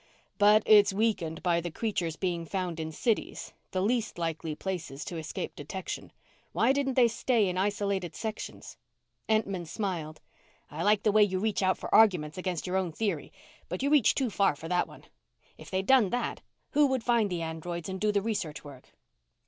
"But it's weakened by the creatures being found in cities the least likely places to escape detection. Why didn't they stay in isolated sections?" Entman smiled. "I like the way you reach out for arguments against your own theory, but you reached too far for that one. If they'd done that, who would find the androids and do the research work?"